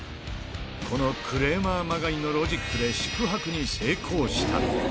このクレーマーまがいのロジックで宿泊に成功した。